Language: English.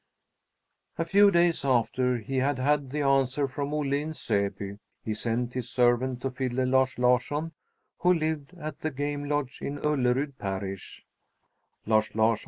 A few days after he had the answer from Olle in Säby, he sent his servant to fiddler Lars Larsson, who lived at the game lodge in Ullerud parish.